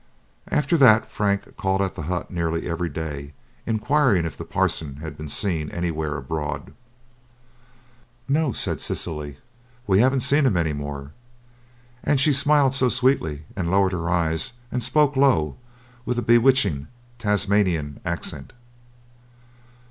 After that Frank called at the hut nearly every day, enquiring if the Parson had been seen anywhere abroad. "No," said Cecily, "we haven't seen him any more;" and she smiled so sweetly, and lowered her eyes, and spoke low, with a bewitching Tasmanian accent.